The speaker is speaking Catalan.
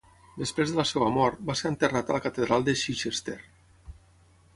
Després de la seva mort, va ser enterrat a la catedral de Chichester.